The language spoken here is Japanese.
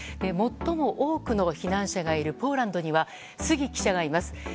最も多くの避難者がいるポーランドには杉記者がいます。